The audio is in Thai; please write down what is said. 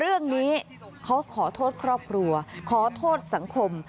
เรื่องนี้เขาขอโทษครอบครัวขอโทษสังคม